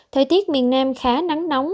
thời tiết miền nam khá nắng nóng